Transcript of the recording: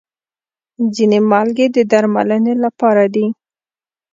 ځینې مالګې د درملنې لپاره دي.